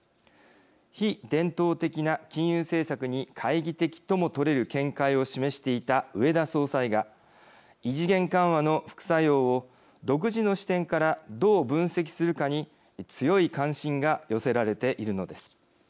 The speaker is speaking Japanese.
非伝統的な金融政策に懐疑的ともとれる見解を示していた植田総裁が異次元緩和の副作用を独自の視点からどう分析するかに強い関心が寄せられているのです。